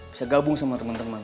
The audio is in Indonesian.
bisa gabung sama temen temen